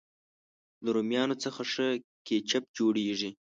د رومیانو څخه ښه کېچپ جوړېږي.